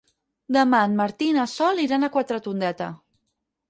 Demà en Martí i na Sol iran a Quatretondeta.